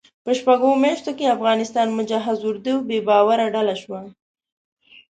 په شپږو اوو میاشتو کې افغانستان مجهز اردو بې باوره ډله شوه.